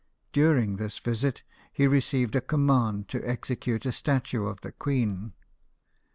During this visit, he received a command to execute a statue of the queen.